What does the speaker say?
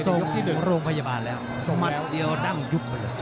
ส่งโรงพยาบาลแล้วมันเดียวดั่งยุบไปเลย